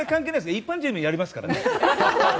一般人でもやりますから。